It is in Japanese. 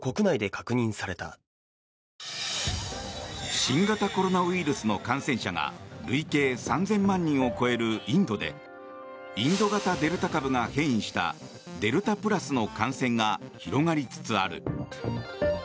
新型コロナウイルスの感染者が累計３０００万人を超えるインドでインド型デルタ株が変異したデルタプラスの感染が広がりつつある。